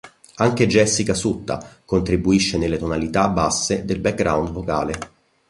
Anche Jessica Sutta, contribuisce nelle tonalità basse del background vocale.